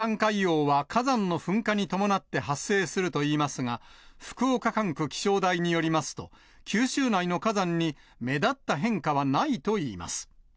二酸化硫黄は火山の噴火に伴って発生するといいますが、福岡管区気象台によりますと、九州内の火山に目立った変化はないといいます。